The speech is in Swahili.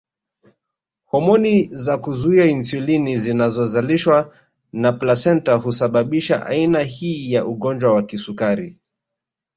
Homoni za kuzuia insulini zinazozalishwa na plasenta husababisha aina hii ya ugonjwa wa kisukari